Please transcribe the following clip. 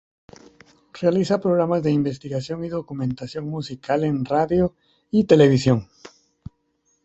Realiza programas de investigación y documentación musical en radio y televisión.